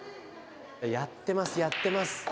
やってますやってます。